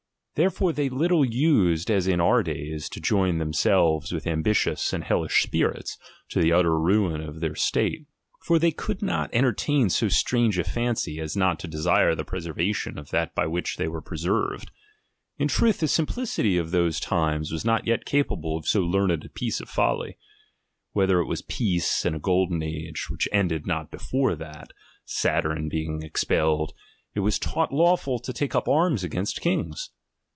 Therefore they little used, as in our days, to join themselves with ambitious and hellish spirits, to the utter ruin of their state. For they could not entertain so strange a fancy, as not to desire tlie preservation of that by which they were preserved. In truth, the simplicity of those times was not yet capable of so learned a piece of ■ TO THE REAnER. XllI lolly. Wherefore it was peace and a golden age, which ended not before that, Saturn being expelled, it was taught lawful to take up arms against kings.